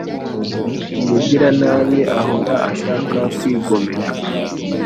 Umugiranabi ahora ashaka kwigomeka